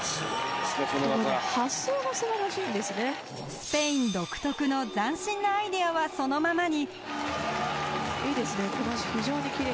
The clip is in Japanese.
スペイン独特の斬新なアイデアはそのままに。